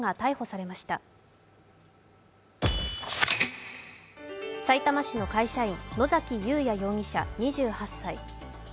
さいたま市の会社員、野崎祐也容疑者２８歳。